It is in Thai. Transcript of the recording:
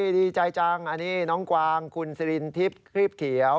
ดีใจจังอันนี้น้องกวางคุณสิรินทิพย์ครีบเขียว